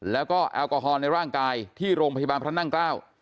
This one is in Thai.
แล้วก็แอลกอฮอลในร่างกายที่โรงพยาบาลพระนั่งเกล้า